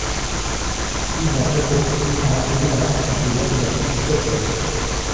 Ivan Petrovski a enseigné à l'Institut de mathématiques Steklov.